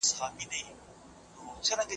که نه سې جنګیدلای، قلم دي پورته که